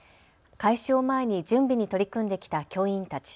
開始を前に準備に取り組んできた教員たち。